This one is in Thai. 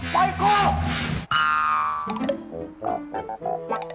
ปล่อยกด